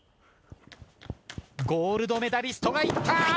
ゴールドメダリストがいった！